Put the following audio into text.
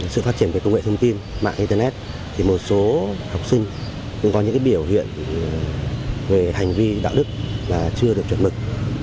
sự phát triển về công nghệ thông tin mạng internet thì một số học sinh cũng có những biểu hiện về hành vi đạo đức là chưa được chuẩn mực